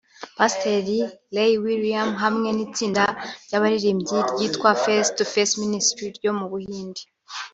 Pasiteri Ray William hamwe n’itsinda ry’abaririmbyi ryitwa “Face to Face Ministry” ryo mu Buhinde